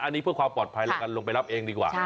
อันนี้เพื่อความปลอดภัยแล้วกันลงไปรับเองดีกว่า